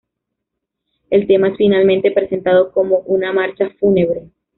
El tema es finalmente presentado como una marcha fúnebre.